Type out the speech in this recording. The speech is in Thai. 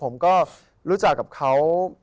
ผมก็รู้จักกับเขา